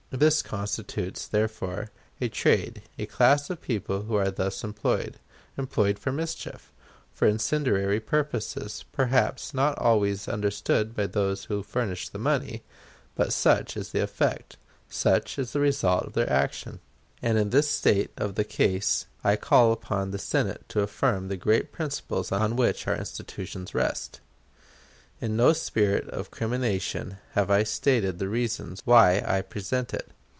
This constitutes, therefore, a trade; a class of people are thus employed employed for mischief, for incendiary purposes, perhaps not always understood by those who furnish the money; but such is the effect; such is the result of their action; and in this state of the case I call upon the Senate to affirm the great principles on which our institutions rest. In no spirit of crimination have I stated the reasons why I present it.